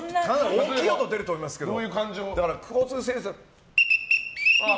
大きい音が出ると思いますけど。